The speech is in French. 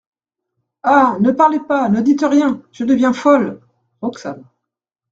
Ah ! ne parlez pas, ne dites rien !… Je deviens folle ! ROXANE.